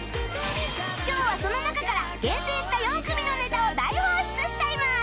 今日はその中から厳選した４組のネタを大放出しちゃいます